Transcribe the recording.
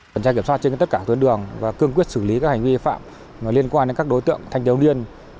cảnh sát kiểm soát trên tất cả tuần đường và cương quyết xử lý các hành vi vi phạm liên quan đến các đối tượng thanh niên liên